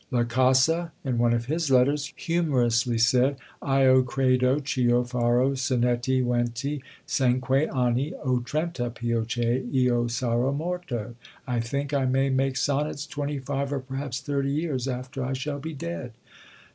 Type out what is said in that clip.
La Casa, in one of his letters, humorously said, Io credo ch'io farò Sonnetti venti cinque anni, o trenta, pio che io sarò morto. "I think I may make sonnets twenty five, or perhaps thirty years, after I shall be dead!"